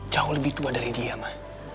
jauh lebih tua dari dia mah